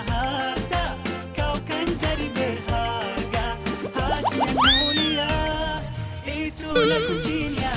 ada kau kan jadi berharga hati yang mulia itulah kecilnya